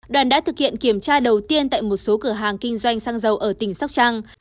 đoàn đã thực hiện kiểm tra đầu tiên tại một số cửa hàng kinh doanh xăng dầu ở tỉnh sóc trăng